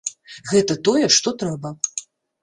Гэта тое, што трэба.